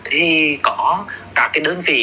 thì có các cái đơn vị